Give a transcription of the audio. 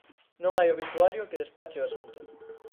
Non hai obituario que despache o asunto.